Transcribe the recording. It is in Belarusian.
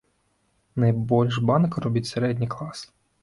Найбольш банк робіць сярэдні клас.